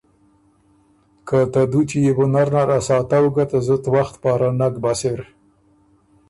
که ته دُوچی يې بو نر نر ا ساتؤ ګه ته زُت وخت پاره نک بۀ سِر۔